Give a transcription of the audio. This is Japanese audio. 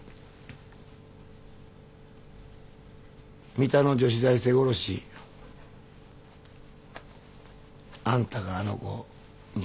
三田の女子大生殺しあんたがあの子にやらせたって。